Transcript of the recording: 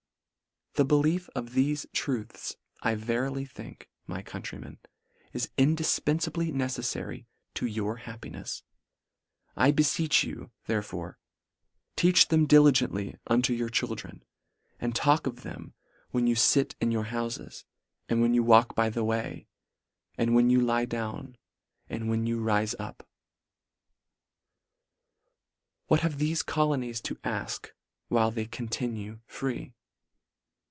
The belief of thefe truths, I verily think, my countrymen, is indifpenfably neceffary to your happinefs. I befeech you, there fore, b " Teach them diligently unto your " children, and talk, of them when you fit " in your houfes, and when you walk by " the way, and when you lie down, and " when you rife up." What have thefe colonies to afk, while they continue free?